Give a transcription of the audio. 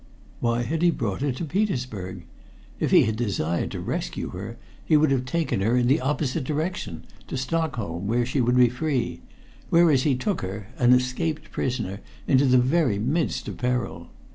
Why had he brought her to Petersburg? If he had desired to rescue her he would have taken her in the opposite direction to Stockholm, where she would be free whereas he took her, an escaped prisoner, into the very midst of peril.